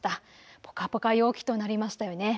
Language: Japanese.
ぽかぽか陽気となりましたよね。